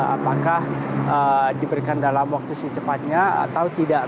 apakah diberikan dalam waktu secepatnya atau tidak